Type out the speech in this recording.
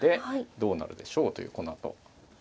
どうなるでしょうというこのあと。